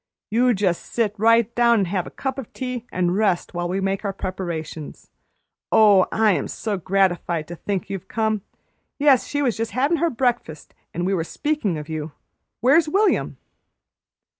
"You just sit right down an' have a cup of tea and rest you while we make our preparations. Oh, I am so gratified to think you've come! Yes, she was just havin' her breakfast, and we were speakin' of you. Where's William?"